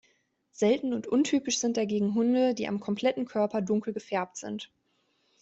Selten und untypisch sind dagegen Hunde, die am kompletten Körper dunkel gefärbt sind.